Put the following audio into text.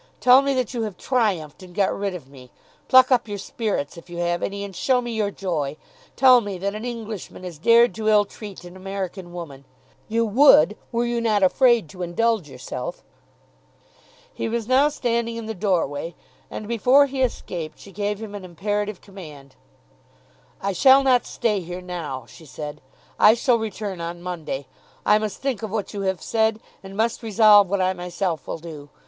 Tell me that you have triumphed and got rid of me. Pluck up your spirits, if you have any, and show me your joy. Tell me that an Englishman has dared to ill treat an American woman. You would, were you not afraid to indulge yourself." He was now standing in the doorway, and before he escaped she gave him an imperative command. "I shall not stay here now," she said "I shall return on Monday. I must think of what you have said, and must resolve what I myself will do.